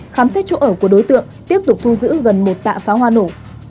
khám xét chỗ ở của đối tượng tiếp tục thu giữ gần một tạ pháo hoa nổ